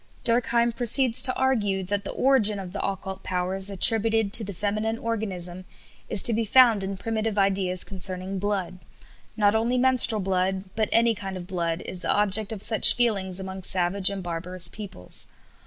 Durkheim proceeds to argue that the origin of the occult powers attributed to the feminine organism is to be found in primitive ideas concerning blood. Not only menstrual blood but any kind of blood is the object of such feelings among savage and barbarous peoples.